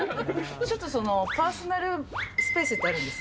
ちょっとその、パーソナルスペースってあるんですよ。